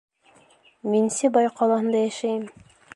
Мин Сибай ҡалаһында йәшәйем